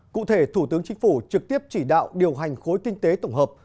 cụ thể thủ tướng chính phủ trực tiếp chỉ đạo điều hành khối kinh tế tổng hợp